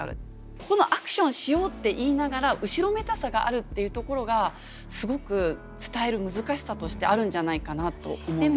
このアクションをしようって言いながら後ろめたさがあるっていうところがすごく伝える難しさとしてあるんじゃないかなと思うんですよ。